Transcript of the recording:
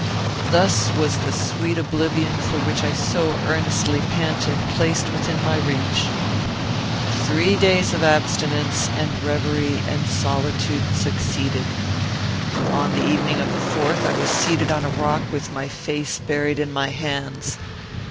Thus was the sweet oblivion for which I so earnestly panted placed within my reach. "Three days of abstinence, and reverie, and solitude, succeeded. On the evening of the fourth, I was seated on a rock, with my face buried in my hands.